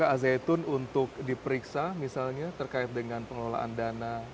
terbuka azayitun untuk diperiksa misalnya terkait dengan pengelolaan dana